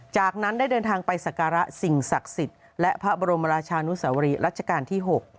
จากนั้นได้เดินทางไปสการะสิ่งศักดิ์สิทธิ์และพระบรมราชานุสวรีรัชกาลที่๖